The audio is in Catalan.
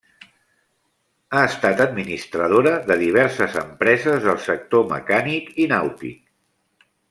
Ha estat administradora de diverses empreses del sector mecànic i nàutic.